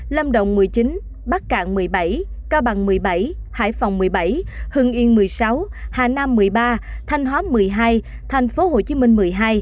lâm động một mươi chín bắc cạn một mươi bảy cao bằng một mươi bảy hải phòng một mươi bảy hưng yên một mươi sáu hà nam một mươi ba thanh hóa một mươi hai thành phố hồ chí minh một mươi hai